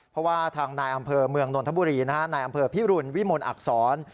เพราะว่าทางนายอำเภอเมืองนนทบุรีนายอำเภอพิรุณวิมลอักษร